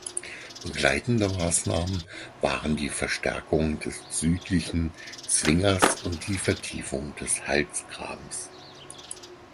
Begleitende Maßnahmen waren die Verstärkung des südlichen Zwingers und die Vertiefung des Halsgrabens.